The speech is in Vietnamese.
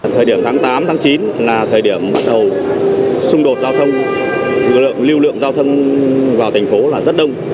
thời điểm tháng tám tháng chín là thời điểm bắt đầu xung đột giao thông lưu lượng giao thông vào thành phố là rất đông